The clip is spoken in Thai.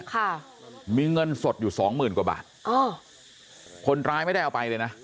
ค่ะมีเงินสดอยู่สองหมื่นกว่าบาทอ๋อคนร้ายไม่ได้เอาไปเลยนะ